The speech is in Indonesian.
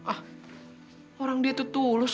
ah orang dia itu tulus